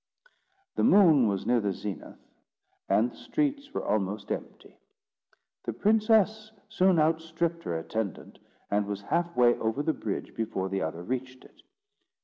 The moon was near the zenith, and the streets were almost empty. The Princess soon outstripped her attendant, and was half way over the bridge, before the other reached it.